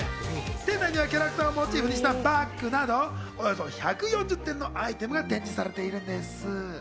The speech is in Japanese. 店内にはキャラクターをモチーフにしたバッグなど、およそ１４０点のアイテムが展示されているんです。